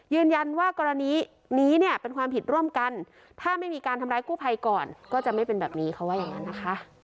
กรณีนี้เนี่ยเป็นความผิดร่วมกันถ้าไม่มีการทำร้ายกู้ภัยก่อนก็จะไม่เป็นแบบนี้เขาว่าอย่างนั้นนะคะ